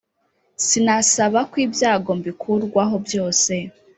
sinasaba kw ibyago mbikurwaho byose;